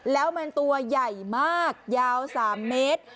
แล้วมันตัวใหญ่มากยาว๓เมตร